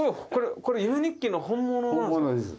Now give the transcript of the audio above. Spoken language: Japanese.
これ夢日記の本物なんですか？